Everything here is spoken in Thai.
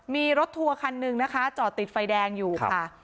มีรถทัวร์คันหนึ่งนะคะจอดติดไฟแดงอยู่ค่ะ